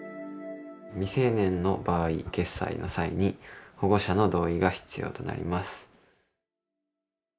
「未成年の場合決済の際に保護者の同意が必要となります」。